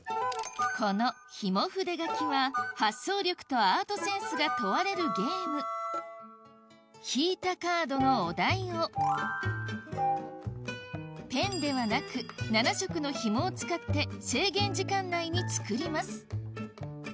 このひもフデ描きは発想力とアートセンスが問われるゲーム引いたカードのお題をペンではなく７色のひもを使って制限時間内に作ります